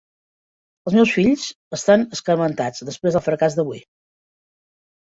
Els meus fills estan escarmentats després del fracàs d'avui.